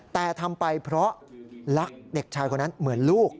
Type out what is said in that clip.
แต่ทำไปเพราะรักเด็กชายคนนั้นเหมือนลูก